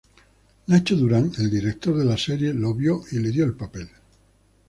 Nacho Durán, el director de la serie, lo vio y le dio el papel.